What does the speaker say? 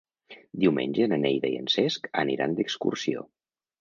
Diumenge na Neida i en Cesc aniran d'excursió.